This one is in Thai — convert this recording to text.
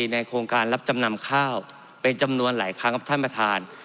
ในโครงการรับจำนำข้าวเป็นจำนวนหลายครั้งครับท่านประธาน